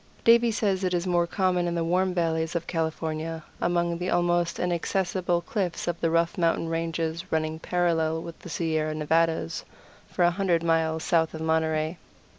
Davie says it is more common in the warm valleys of California, among the almost inaccessible cliffs of the rough mountain ranges running parallel with the Sierra Nevadas for a hundred miles south of Monterey.